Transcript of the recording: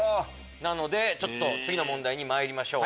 ちょっと次の問題にまいりましょう。